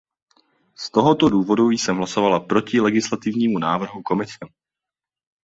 Z tohoto důvodu jsem hlasovala proti legislativnímu návrhu Komise.